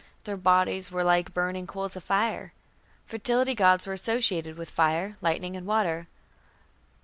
Their bodies were "like burning coals of fire". Fertility gods were associated with fire, lightning, and water.